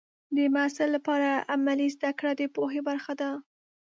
د محصل لپاره عملي زده کړه د پوهې برخه ده.